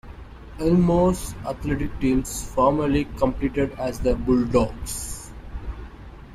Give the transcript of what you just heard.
Elmore's athletic teams formerly competed as the Bulldogs.